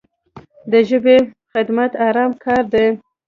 د ژبې خدمت ارام کار دی.